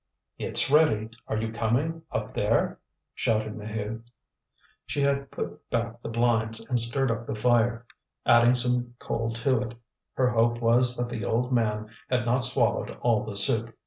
"It's ready. Are you coming, up there?" shouted Maheude. She had put back the blinds, and stirred up the fire, adding some coal to it. Her hope was that the old man had not swallowed all the soup.